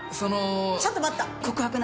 ちょっと待った！